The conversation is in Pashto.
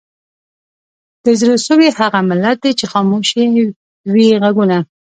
د زړه سوي هغه ملت دی چي خاموش یې وي ږغونه